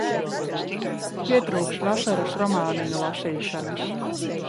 Pietrūkst vasaras romāniņu lasīšanas.